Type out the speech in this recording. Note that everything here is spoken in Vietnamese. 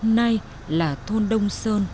nay là thôn đông sơn